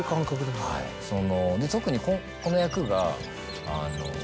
で特にこの役が。